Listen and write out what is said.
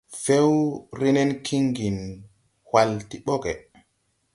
Fɛwre nen kiŋgin hwal ti ɓɔgge.